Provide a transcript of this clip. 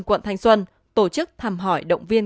quận thanh xuân tổ chức tham hỏi động viên